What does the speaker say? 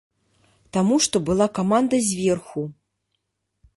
Таму што была каманда зверху.